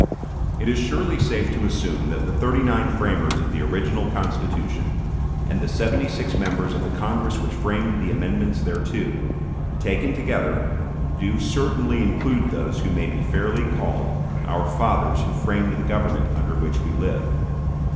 It is surely safe to assume that the thirty nine framers of the original Constitution, and the seventy six members of the Congress which framed the amendments thereto, taken together, do certainly include those who may be fairly called "our fathers who framed the government under which we live."